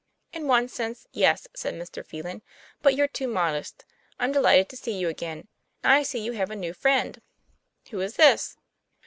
"In one sense, yes, "said Mr. Phelan; 'but you're too modest. I'm delighted to see you again. And I see you have a new friend. Who is this?"